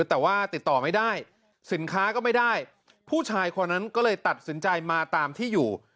แต่ว่าติดต่อไม่ได้สินค้าก็ไม่ได้ผู้ชายคนนั้นก็เลยตัดสินใจมาตามที่อยู่